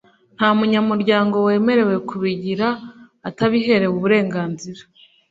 Nta munyamuryango wemerewe kubigira atabiherewe uburenganzira